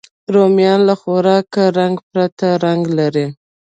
رومیان له خوراکي رنګ پرته رنګ لري